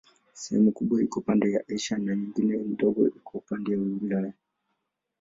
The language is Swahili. Sehemu kubwa iko upande wa Asia na nyingine ndogo upande wa Ulaya.